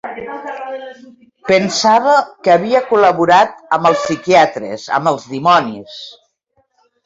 Pensava que havia col·laborat amb els psiquiatres, amb els dimonis.